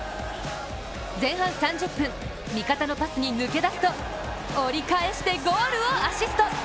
前半３０分、味方のパスに抜け出すと折り返してゴールをアシスト。